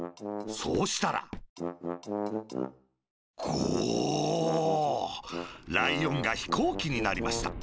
そうしたら「ゴォッ」ライオンがヒコーキになりました。